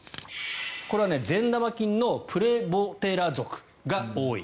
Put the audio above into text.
これは善玉菌のプレボテラ属が多い。